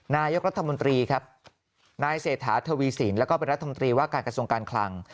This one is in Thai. นายกรัฐมนตรีครับนายเศรษฐาทวีสินแล้วก็เป็นรัฐมนตรีว่าการกระทรวงการคลัง